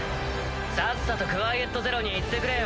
さっさとクワイエット・ゼロに行ってくれよ。